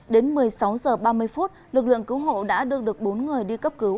đến một mươi sáu h ba mươi phút lực lượng cứu hộ đã đưa được bốn người đi cấp cứu